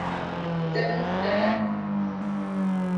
D E M O N S T R E R T E